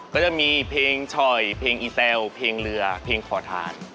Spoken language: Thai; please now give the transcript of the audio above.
ก็จะมีเพลงช่อยเพลงอีแซวเพลงเรือเพลงขอทาน